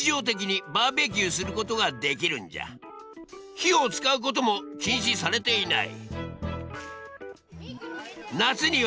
火を使うことも禁止されていない。